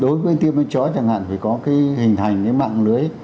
đối với tiêm chó chẳng hạn phải có hình thành mạng lưới